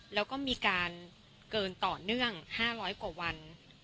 แล้วก็มีการเกินต่อเนื่อง๕๐๐กว่าวัน